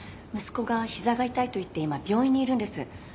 息子が膝が痛いと言って今病院にいるんです。